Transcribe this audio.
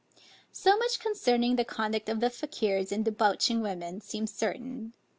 So much concerning the conduct of the Fakiers in debauching women, seems certain.